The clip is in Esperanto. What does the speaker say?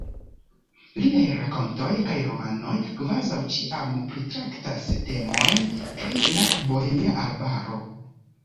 Liaj rakontoj kaj romanoj kvazaŭ ĉiam pritraktas temojn pri la Bohemia Arbaro.